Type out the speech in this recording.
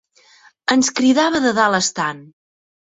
Ens cridava de dalt estant.